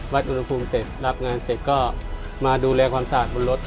อุณหภูมิเสร็จรับงานเสร็จก็มาดูแลความสะอาดบนรถ